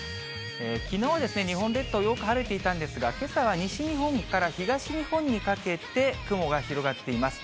きのう、日本列島、よく晴れていたんですが、けさは西日本から東日本にかけて、雲が広がっています。